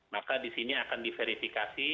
maka di sini akan diverifikasi